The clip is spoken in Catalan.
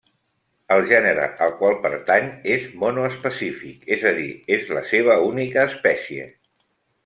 El gènere al qual pertany és monoespecífic, és a dir, és la seva única espècie.